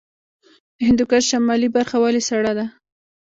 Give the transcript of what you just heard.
د هندوکش شمالي برخه ولې سړه ده؟